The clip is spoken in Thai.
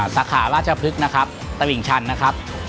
สค่าราชพฤกษ์ตระวิงชัลนะครับ